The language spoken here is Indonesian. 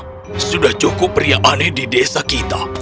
karena sudah cukup pria aneh di desa kita